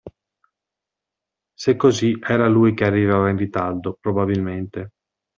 Se così, era lui che arrivava in ritardo, probabilmente!